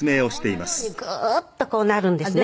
桃のようにグーッとこうなるんですね。